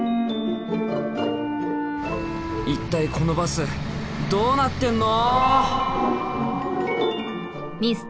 一体このバスどうなってんの！